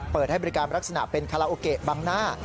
เปิดให้บริการลักษณะเป็นคาราโอเกะบังหน้า